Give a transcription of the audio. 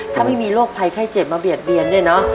ถ้าไม่มีโรคไพแค่เจ็บมาเบียดเบียนนี่เนอะ